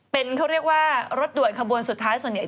เป็นเขาเรียกว่ารถด่วนขบวนสุดท้ายส่วนใหญ่